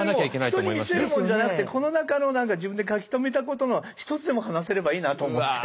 人に見せるもんじゃなくてこの中の何か自分で書き留めたことの一つでも話せればいいなと思って。